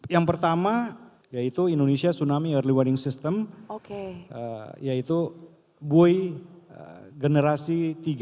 yang pertama yaitu indonesia tsunami early warning system yaitu buoy generasi tiga